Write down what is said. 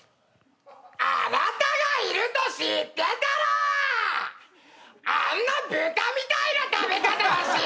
あなたがいると知ってたらあんな豚みたいな食べ方はしませんでした！